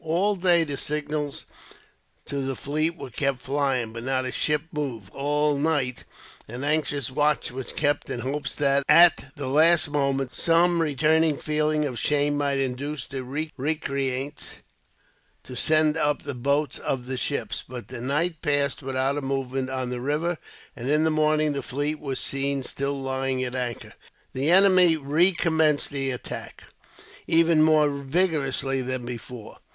All day the signals to the fleet were kept flying, but not a ship moved. All night, an anxious watch was kept, in hopes that, at the last moment, some returning feeling of shame might induce the recreants to send up the boats of the ships. But the night passed without a movement on the river, and in the morning the fleet were seen, still lying at anchor. The enemy recommenced the attack, even more vigorously than before.